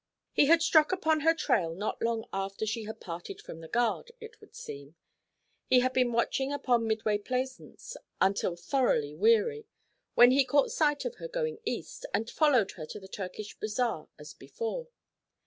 He had struck upon her trail not long after she had parted from the guard, it would seem. He had been watching upon Midway Plaisance until thoroughly weary, when he caught sight of her going east, and followed her to the Turkish bazaar as before.